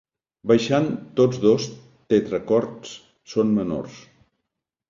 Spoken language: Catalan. Baixant tots dos tetracords són menors.